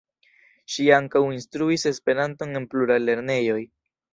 Ŝi ankaŭ instruis Esperanton en pluraj lernejoj.